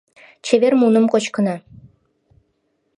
Чевер муным кочкына.